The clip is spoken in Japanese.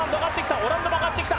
オランダも上がってきた。